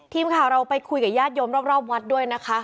ทีมข่าวเราไปคุยกับญาติโยมรอบวัดด้วยนะคะ